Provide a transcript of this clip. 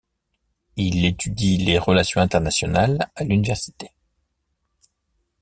Il étudie les relations internationales à l'université.